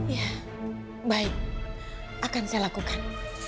ya baik akan saya lakukan